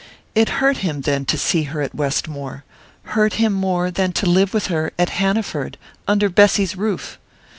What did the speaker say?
It hurt him, then, to see her at Westmore hurt him more than to live with her, at Hanaford, under Bessy's roof!